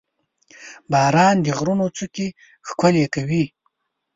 • باران د غرونو څوکې ښکلې کوي.